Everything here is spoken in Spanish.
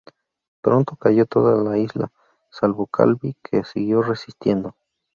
Pronto cayó toda la isla, salvo Calvi que siguió resistiendo.